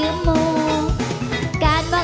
เธอเป็นผู้สาวขาเลียน